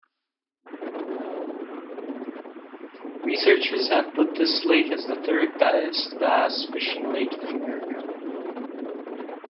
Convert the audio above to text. Researchers have put this lake as the third best bass fishing lake in America.